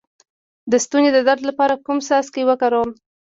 د ستوني د درد لپاره کوم څاڅکي وکاروم؟